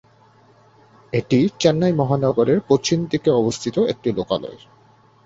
এটি চেন্নাই মহানগরের পশ্চিম দিকে অবস্থিত একটি লোকালয়।